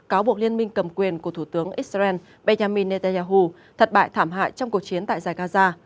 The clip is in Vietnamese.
cáo buộc liên minh cầm quyền của thủ tướng israel benjamin netanyahu thất bại thảm hại trong cuộc chiến tại giải gaza